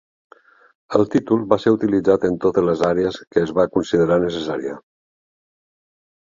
El títol va ser utilitzat en totes les àrees que es va considerar necessària.